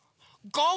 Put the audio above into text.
ゴー！